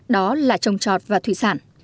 đó là trồng trọt và thủy sản